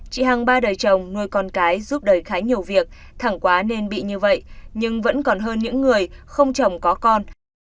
chị hằng ba đời chồng nuôi con cái giúp đời khá nhiều việc thẳng quá nên bị như vậy nhưng vẫn còn hơn những người không chồng có con